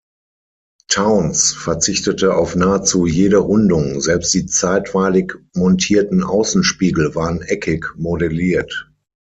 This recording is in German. Towns verzichtete auf nahezu jede Rundung; selbst die zeitweilig montierten Außenspiegel waren eckig modelliert.